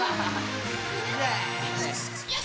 よし！